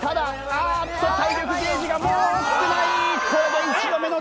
あーっと体力ゲージがもう少ない！